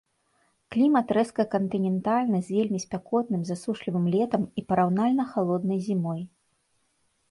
Клімат рэзка-кантынентальны з вельмі спякотным засушлівым летам і параўнальна халоднай зімой.